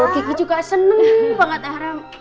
kiki juga seneng banget arang